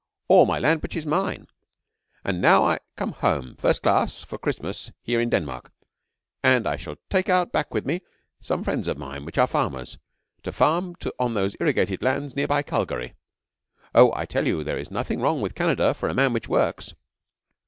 All my land which is mine! And now I come home, first class, for Christmas here in Denmark, and I shall take out back with me, some friends of mine which are farmers, to farm on those irrigated lands near by Calgary. Oh, I tell you there is nothing wrong with Canada for a man which works.'